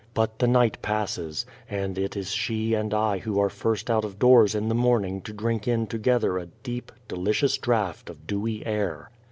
But the night passes, and it is she and I who are first out of doors in the morning to drink in together a deep, delicious draught of dewy air.